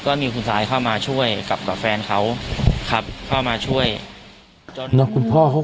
ก็มีคุณซายเข้ามาช่วยกับกับแฟนเขาครับเข้ามาช่วยจนแล้วคุณพ่อเขา